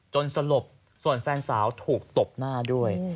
สลบส่วนแฟนสาวถูกตบหน้าด้วย